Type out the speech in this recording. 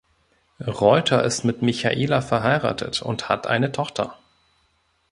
Reuter ist mit Michaela verheiratet und hat eine Tochter.